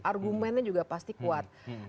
argumennya juga pasti kuat